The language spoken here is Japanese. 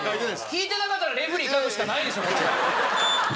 聞いてなかったらレフェリー描くしかないでしょこっちだって！